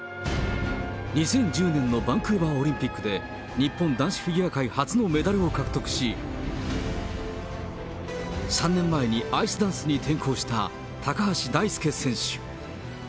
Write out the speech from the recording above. ２０１０年のバンクーバーオリンピックで、日本男子フィギュア界初のメダルを獲得し、３年前にアイスダンスに転向した高橋大輔選手。